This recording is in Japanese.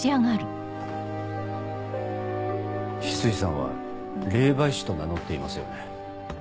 翡翠さんは霊媒師と名乗っていますよね？